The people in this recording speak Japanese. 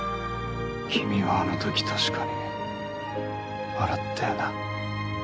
君はあの時確かに笑ったよな。